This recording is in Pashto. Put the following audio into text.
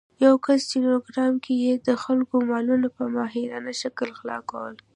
یو کس چې نورګرام کې يې د خلکو مالونه په ماهرانه شکل غلا کول